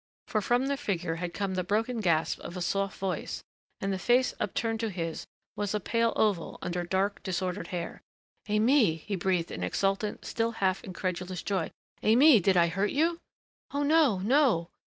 For from the figure had come the broken gasp of a soft voice, and the face upturned to his was a pale oval under dark, disordered hair. "Aimée!" he breathed in exultant, still half incredulous joy. "Aimée!... Did I hurt you ?" "Oh, no, no!"